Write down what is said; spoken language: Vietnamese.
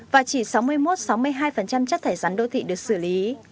và chỉ sáu mươi một sáu mươi hai chất thải rắn đô thị được xử lý